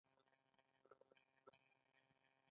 د افغانستان سوکالي زنده باد.